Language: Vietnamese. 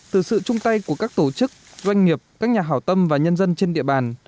từ sự chung tay của các tổ chức doanh nghiệp các nhà hảo tâm và nhân dân trên địa bàn